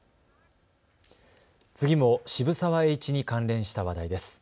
次も渋沢栄一に関連した話題です。